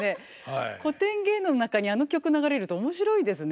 古典芸能の中にあの曲流れると面白いですね。